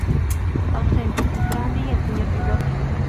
Ausentes:Brandy y el Señor Bigotes